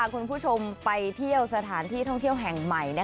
คุณผู้ชมไปเที่ยวสถานที่ท่องเที่ยวแห่งใหม่